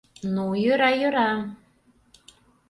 Ну, йӧра, йӧра...